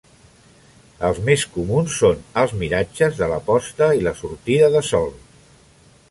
Els més comuns són els miratges de la posta i la sortida de sol.